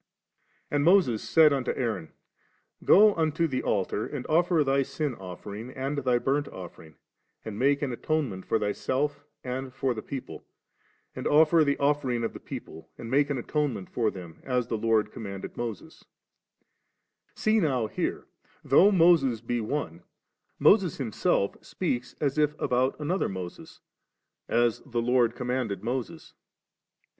* And Moses said unto Aaron, Go unto the altar and offer thy sin offering, and thy biunt offering, and make an atonement for thy self and for the people ; and offer the offering of the people, and make an atonement for them, as the Lord commanded Moses ^' See now here, though Moses be one, Moses himself speaks as if about another Moses, 'as the Lord commanded Moses.'